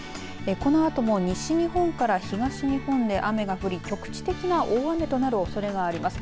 このあとも西日本から東日本で雨が降り局地的な大雨となるおそれがあります。